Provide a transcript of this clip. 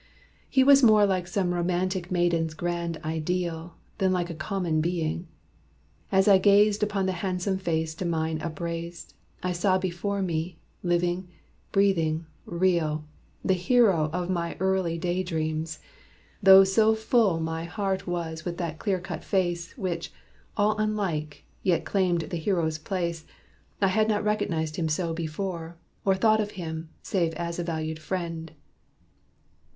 He was more Like some romantic maiden's grand ideal Than like a common being. As I gazed Upon the handsome face to mine upraised, I saw before me, living, breathing, real, The hero of my early day dreams: though So full my heart was with that clear cut face, Which, all unlike, yet claimed the hero's place, I had not recognized him so before, Or thought of him, save as a valued friend.